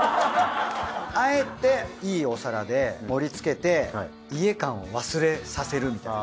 あえていいお皿で盛り付けて家感を忘れさせるみたいな。